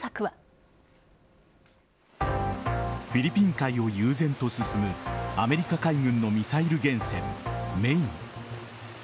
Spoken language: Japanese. フィリピン海を悠然と進むアメリカ海軍のミサイル原潜「メイン」